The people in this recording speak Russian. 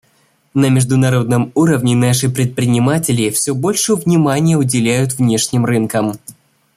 На международном уровне наши предприниматели все больше внимания уделяют внешним рынкам.